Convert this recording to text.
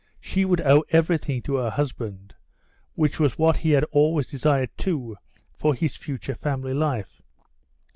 She would owe everything to her husband, which was what he had always desired too for his future family life.